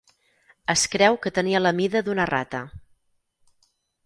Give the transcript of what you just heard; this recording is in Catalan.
Es creu que tenia la mida d'una rata.